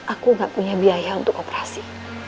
aku gak punya biaya untuk operasi